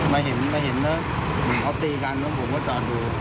มาเห็นแล้วเขาตีกันผมก็ตอดดู